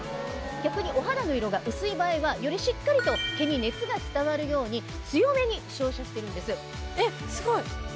逆にお肌の色が薄い場合はよりしっかりと毛に熱が伝わるように強めに照射してるんです。